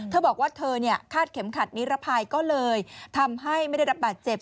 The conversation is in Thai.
เธอบอกว่าเธอคาดเข็มขัดนิรภัยก็เลยทำให้ไม่ได้รับบาดเจ็บ